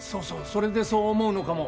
それでそう思うのかも。